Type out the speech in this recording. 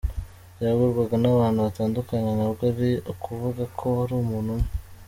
Byagurwaga n’abantu batandukanye ntabwo ari ukuvuga ko ari umuntu umwe.